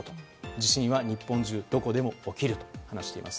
地震は日本中どこでも起きると話しています。